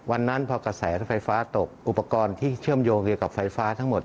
วันนั้นพอกระแสไฟฟ้าตกอุปกรณ์ที่เชื่อมโยงเกี่ยวกับไฟฟ้าทั้งหมด